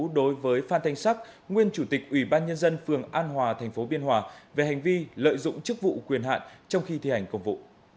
đối với phan thanh sắc nguyên chủ tịch ủy ban nhân dân phường an hòa thành phố biên hòa về hành vi lợi dụng chức vụ quyền hạn trong khi thi hành công vụ